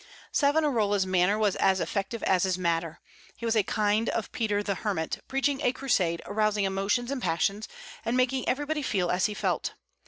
Savonarola's manner was as effective as his matter. He was a kind of Peter the Hermit, preaching a crusade, arousing emotions and passions, and making everybody feel as he felt.